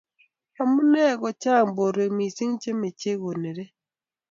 amune ko chang' borwek mising' che mechei konore?